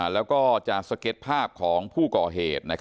แล้วก็จะสเก็ตภาพของผู้ก่อเหตุ